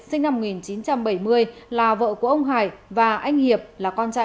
sinh năm một nghìn chín trăm bảy mươi là vợ của ông hải và anh hiệp là con trai